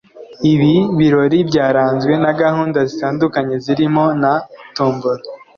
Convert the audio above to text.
Ibi birori byaranzwe na gahunda zitandukanye zirimo na tombola